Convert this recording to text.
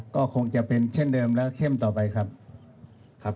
ก็คงจะเป็นเช่นเดิมและเข้มต่อไปครับครับ